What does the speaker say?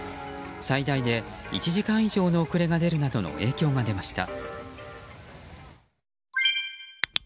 最大で１時間以上の遅れが出るなどの影響が出ました。